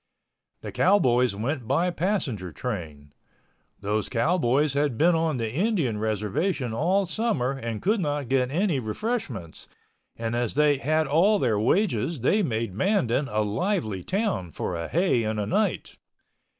The cowboys went by passenger train. Those cowboys had been on the Indian reservation all summer and could not get any refreshments, and as they had all their wages they made Mandan a lively town for a Hay and a night.